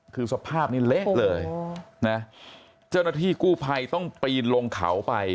คือสภาพนี้เละเลยนะเจ้าหน้าที่กู้ภัยต้องปีนลงเขาไป